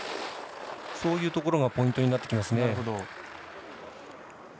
そういうところがポイントになってきますね。